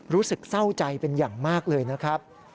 รู้สึกเศร้าใจเป็นอย่างมากเลยนะครับ